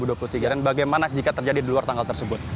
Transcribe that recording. dan bagaimana jika terjadi di luar tanggal tersebut